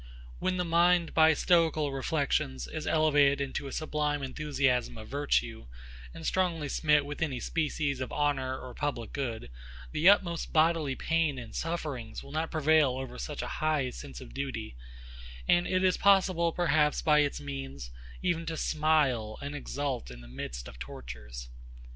When the mind, by Stoical reflections, is elevated into a sublime enthusiasm of virtue, and strongly smit with any species of honour or public good, the utmost bodily pain and sufferings will not prevail over such a high sense of duty; and it is possible, perhaps, by its means, even to smile and exult in the midst of tortures.